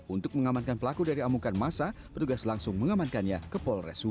untuk mengamankan pelaku dari amukan masa petugas langsung mengamankannya ke polres subang